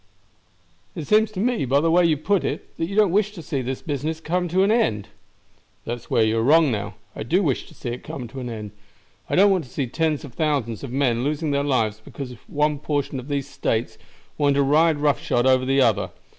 "It seems to me, by the way you put it, that you don't wish to see this business come to an end." "That's where you are wrong now. I do wish to see it come to an end. I don't want to see tens of thousands of men losing their lives because one portion of these States wants to ride roughshod over the other.